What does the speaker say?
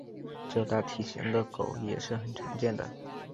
较大体型的狗也是很常见的。